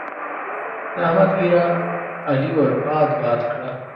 د احمد ږيره؛ علي ور باد باد کړه.